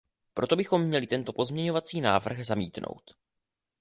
Proto bychom měli tento pozměňovací návrh zamítnout.